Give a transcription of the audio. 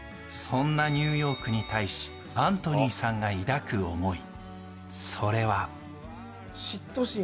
そんなニューヨークに対しアントニーさんが抱く思い。